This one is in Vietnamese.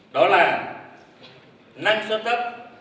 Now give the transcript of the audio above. đó là năng xuất tất